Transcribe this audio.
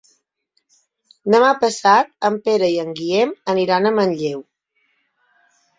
Demà passat en Pere i en Guillem aniran a Manlleu.